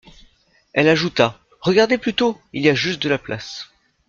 Elle ajouta : Regardez plutôt, il y a juste de la place.